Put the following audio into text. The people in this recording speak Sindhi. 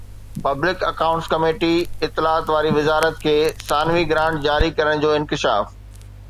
پبلڪ اڪائونٽس ڪميٽي اطلاعات واري وزارت کي ثانوي گرانٽ جاري ڪرڻ جو انڪشاف